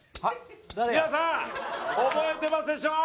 皆さん、覚えてますでしょう。